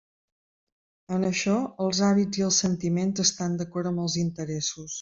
En això els hàbits i els sentiments estan d'acord amb els interessos.